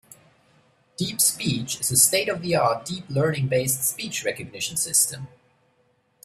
DeepSpeech is a state-of-the-art deep-learning-based speech recognition system.